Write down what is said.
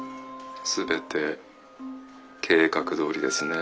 全て計画どおりですね。